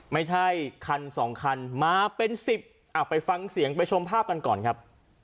ไม่ใช่คันสองคันมาเป็นสิบอ่ะไปฟังเสียงไปชมภาพกันก่อนครับ